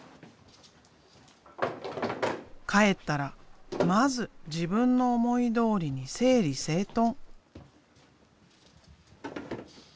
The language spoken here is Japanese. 帰ったらまず自分の思いどおりに整理整頓。